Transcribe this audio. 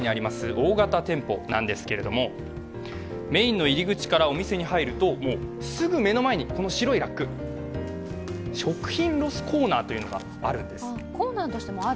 大型店舗なんですけれども、メインの入り口からお店に入るとすぐ前の前に白いラック食品ロスコーナーがあるんです。